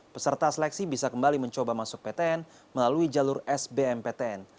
peserta seleksi bisa kembali mencoba masuk ptn melalui jalur sbmptn